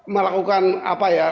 melakukan apa ya